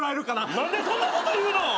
何でそんなこと言うの？